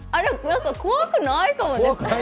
怖くないかもですね。